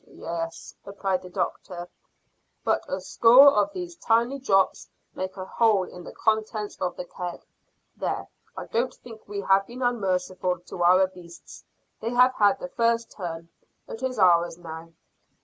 "Yes," replied the doctor, "but a score of these tiny drops make a hole in the contents of the keg. There, I don't think we have been unmerciful to our beasts. They have had the first turn. It is ours now."